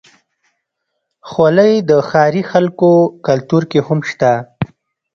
خولۍ د ښاري خلکو کلتور کې هم شته.